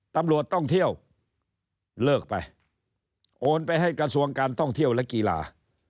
ตำรวจท่องเที่ยวเลิกไปโอนไปให้กระทรวงการท่องเที่ยวและกีฬา